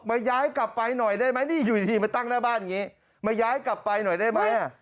ย้ายกลับไปหน่อยได้ไหมนี่อยู่ดีมาตั้งหน้าบ้านอย่างนี้มาย้ายกลับไปหน่อยได้ไหม